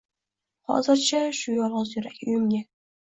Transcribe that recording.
Hozircha shu yolg‘iz yurak — uyimga